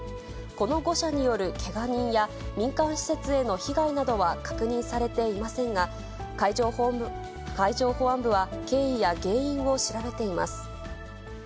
この誤射によるけが人や、民間施設への被害は確認されていませんが、海上保安部は経緯や原因を調べています。